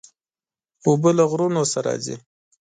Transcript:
اوبه له غرونو نه راځي.